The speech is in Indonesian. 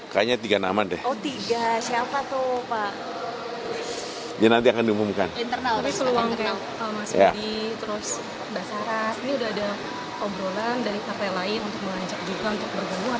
mas budi terus mbak saras ini sudah ada obrolan dari partai lain untuk melancar juga untuk berbunuh atau bagaimana